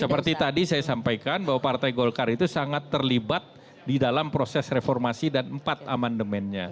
seperti tadi saya sampaikan bahwa partai golkar itu sangat terlibat di dalam proses reformasi dan empat amandemennya